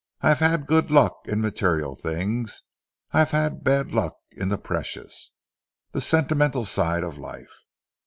I have had good luck in material things. I have had bad luck in the precious, the sentimental side of life.